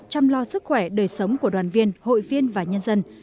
chăm lo sức khỏe đời sống của đoàn viên hội viên và nhân dân